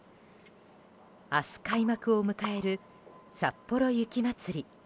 明日開幕を迎えるさっぽろ雪まつり。